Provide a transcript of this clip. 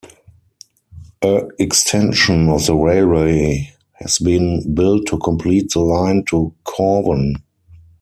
A extension of the railway has been built to complete the line to Corwen.